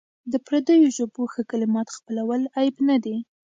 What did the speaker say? د پردیو ژبو ښه کلمات خپلول عیب نه دی.